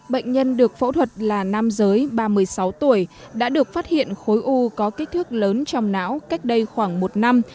bệnh nhân được phẫu thuật là nam giới ba mươi sáu tuổi đã được phát hiện khối u có kích thước lớn trong não cách đây khoảng một năm